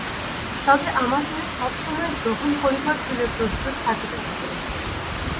তবে আমাদের সব সময়েই গ্রহণ করিবার জন্য প্রস্তুত থাকিতে হইবে।